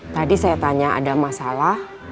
tadi saya tanya ada masalah